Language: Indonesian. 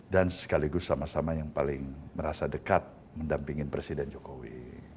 dan sekaligus sama sama yang paling merasa dekat mendampingi presiden jokowi